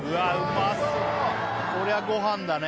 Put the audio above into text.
まそっこりゃご飯だね。